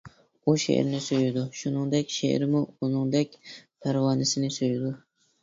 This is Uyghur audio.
ئۇ شېئىرنى سۆيىدۇ، شۇنىڭدەك شېئىرمۇ ئۇنىڭدەك پەرۋانىسىنى سۆيىدۇ.